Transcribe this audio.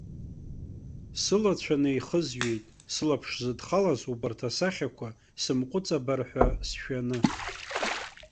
Сылацәа неихызҩеит, сылаԥш зыдхалаз убарҭ асахьақәа сымҟәыҵабар ҳәа сшәаны.